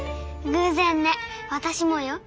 偶然ね私もよ。